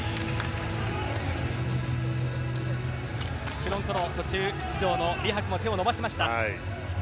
フロントロー途中出場のリ・ハクも手を伸ばしました。